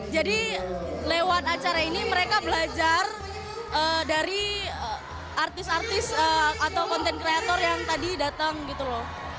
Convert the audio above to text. jadi lewat acara ini mereka belajar dari artis artis atau content kreator yang tadi datang gitu loh